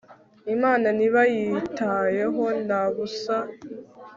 imana ntibayitayeho na busa